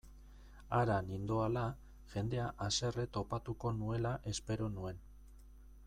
Hara nindoala, jendea haserre topatuko nuela espero nuen.